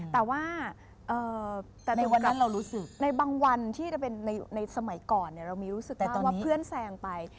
แต่ว่าในบางวันที่จะเป็นในสมัยก่อนเรามีรู้สึกว่าเพื่อนแสงไป